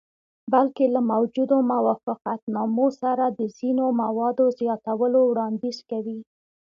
بلکې له موجودو موافقتنامو سره د ځینو موادو زیاتولو وړاندیز کوي.